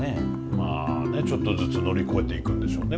まあねちょっとずつ乗り越えていくんでしょうね